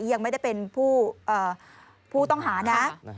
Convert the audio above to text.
ยังไม่ได้เป็นผู้ต้องหานะ